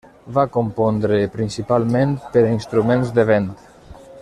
Va compondre principalment per a instruments de vent.